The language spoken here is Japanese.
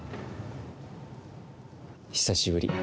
久しぶり。